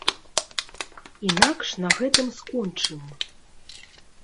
Інакш на гэтым скончым.